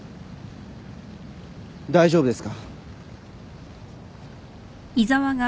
大丈夫ですか？